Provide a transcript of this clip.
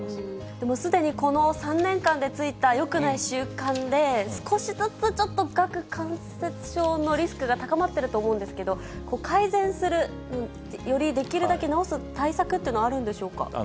でもすでにこの３年間でついたよくない習慣で、少しずつちょっと顎関節症のリスクが高まっていると思うんですけど、改善する、よりできるだけ直す対策というのはあるんでしょうか。